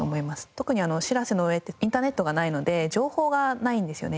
特にしらせの上ってインターネットがないので情報がないんですよね。